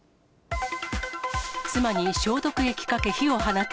妻に消毒液かけ、火を放つ。